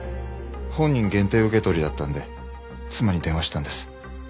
本人限定受け取りだったので妻に電話したんです。